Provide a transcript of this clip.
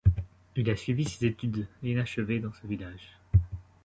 Il a suivi ses études inachevées dans ce village.